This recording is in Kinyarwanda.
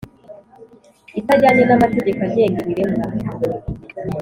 itajyanye n amategeko agenga ibiremwa